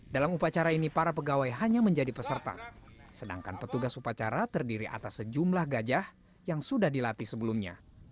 dalam upacara ini para pegawai hanya menjadi peserta sedangkan petugas upacara terdiri atas sejumlah gajah yang sudah dilatih sebelumnya